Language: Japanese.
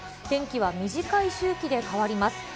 天気は短い周期で変わります。